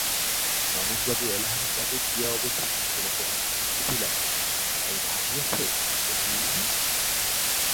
রমেশবাবু এলাহাবাদে গিয়া অবধি তোমাকে একখানি চিঠি লেখেন নি তাই রাগ হইয়াছে–অভিমানিনী!